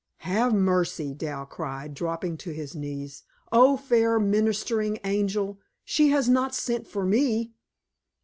"Have mercy!" Dal cried, dropping to his knees. "Oh, fair ministering angel, she has not sent for me!"